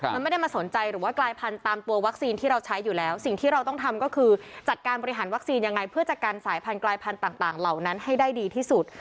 มันไม่ได้มาสนใจหรือว่ากลายพันธุ์ตามตัววัคซีนที่เราใช้อยู่แล้วสิ่งที่เราต้องทำก็คือจัดการบริหารวัคซีนยังไงเพื่อจะกันสายพันธลายพันธุ์ต่างเหล่านั้นให้ได้ดีที่สุด